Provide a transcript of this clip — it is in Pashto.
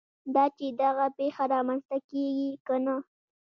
دا چې دغه پېښه رامنځته کېږي که نه.